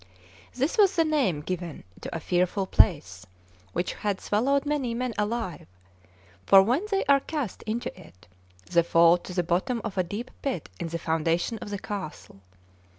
This was the name given to a fearful place which had swallowed many men alive; for when they are cast into it, the fall to the bottom of a deep pit in the foundation of the castle.